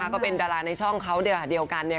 ก็เป็นดาราในช่องเขาเดียวกัน